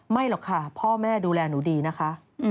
หรอกค่ะพ่อแม่ดูแลหนูดีนะคะ